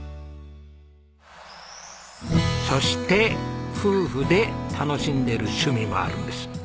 そして夫婦で楽しんでいる趣味もあるんです。